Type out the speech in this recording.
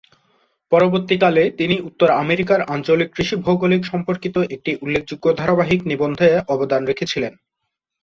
পরবর্তীকালে তিনি উত্তর আমেরিকার আঞ্চলিক কৃষি ভূগোল সম্পর্কিত একটি উল্লেখযোগ্য ধারাবাহিক নিবন্ধে অবদান রেখেছিলেন।